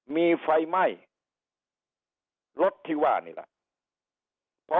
มีไฟไหม้รถที่ว่านี่แหละ